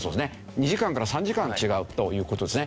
２時間から３時間違うという事ですね。